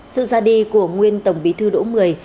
sự ra đi của nguyên tổng bí thư đỗ mười